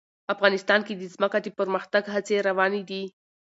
افغانستان کې د ځمکه د پرمختګ هڅې روانې دي.